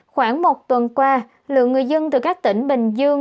khoảng một tuần qua lượng người dân từ các tỉnh bình dương